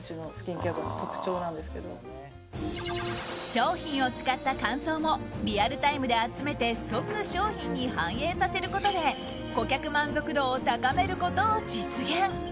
商品を使った感想もリアルタイムで集めて即商品に反映させることで顧客満足度を高めることを実現。